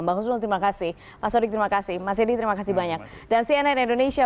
mbak husul terima kasih mas wadik terima kasih mas yedi terima kasih banyak dan cnn indonesia